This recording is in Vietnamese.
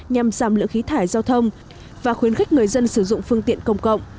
nhằm giảm lượng khí thải giao thông và khuyến khích người dân sử dụng phương tiện công cộng